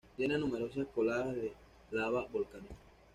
Tiene numerosas coladas de lava volcánica.